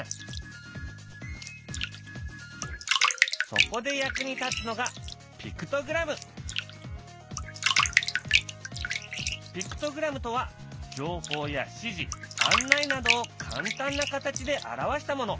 そこで役に立つのがピクトグラムとは情報や指示案内などを簡単な形で表したもの。